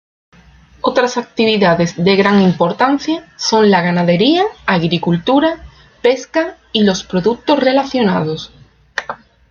Otras actividades de gran importancia son la ganadería, agricultura, pesca y los productos relacionados.